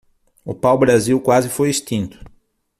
O pau-brasil quase foi extinto